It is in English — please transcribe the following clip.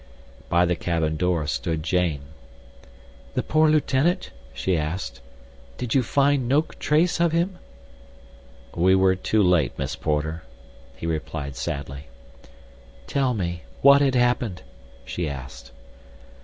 By the cabin door stood Jane. "The poor lieutenant?" she asked. "Did you find no trace of him?" "We were too late, Miss Porter," he replied sadly. "Tell me. What had happened?" she asked.